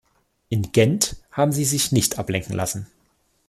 In Gent haben Sie sich nicht ablenken lassen.